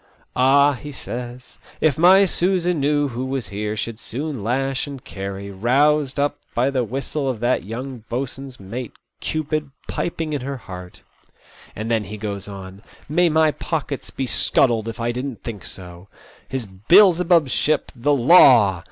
"Ah," he says, " if my Susan knew who was here she'd soon lash and carry, roused up by the whistle of that young boat swain's mate, Cupid, piping in her heart ;" and then he goes on :" May my pockets be scuttled if I didn't think so I His Beelzebub's ship, the Law